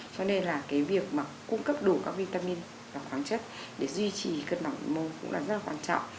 cho nên là cái việc mà cung cấp đủ các vitamin và khoáng chất để duy trì cân bằng nội môi cũng là rất là quan trọng